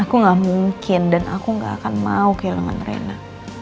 aku gak mungkin dan aku gak akan mau kehilangan reina